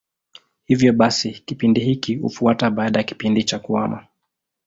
Hivyo basi kipindi hiki hufuata baada ya kipindi cha kuhama.